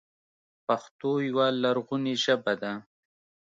پښتو يوه لرغونې ژبه ده.